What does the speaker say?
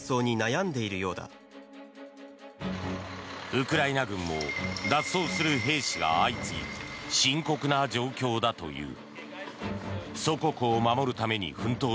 ウクライナ軍も脱走する兵士が相次ぎ深刻な状況だという。